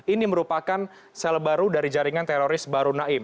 ini merupakan sel baru dari jaringan teroris baru naim